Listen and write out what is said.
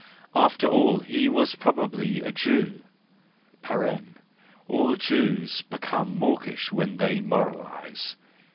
After all he was probably a Jew (all Jews become mawkish when they moralise).